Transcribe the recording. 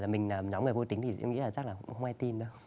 mình là nhóm người vô tính thì em nghĩ là chắc là không ai tin đâu